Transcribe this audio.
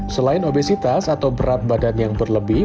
selain obesitas atau berat badan yang berlebih